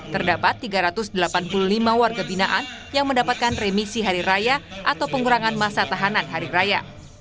terdapat tiga ratus delapan puluh lima warga binaan yang mendapatkan remisi hari raya atau pengurangan masa tahanan hari raya